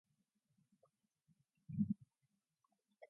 The meaning of his name is unclear.